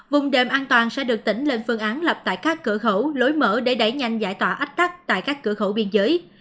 vùng đệm an toàn sẽ được tỉnh lên phương án lập tại các cửa khẩu lối mở để đẩy nhanh giải tỏa ách tắc tại các cửa khẩu biên giới